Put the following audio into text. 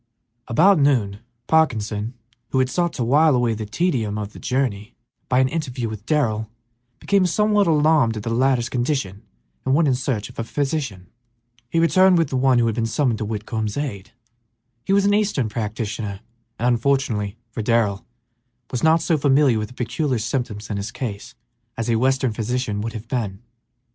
About noon Parkinson, who had sought to while away the tedium of the journey by an interview with Darrell, became somewhat alarmed at the latter's condition and went in search of a physician. He returned with the one who had been summoned to Whitcomb's aid. He was an eastern practitioner, and, unfortunately for Darrell, was not so familiar with the peculiar symptoms in his case as a western physician would have been.